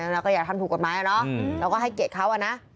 เราก็อยากทำถูกกฎหมายแล้วเนอะเราก็ให้เกลียดเขาอะนะ